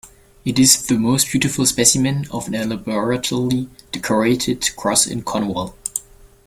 It is the most beautiful specimen of an elaborately decorated cross in Cornwall.